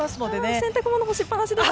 お洗濯物干しっぱなしです。